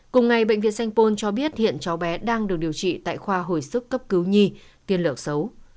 cùng ngày bệnh viện sanh pôn cho biết hiện cháu bé đang được điều trị tại khoa hồi sức cấp cứu nhi tiên lửa xấu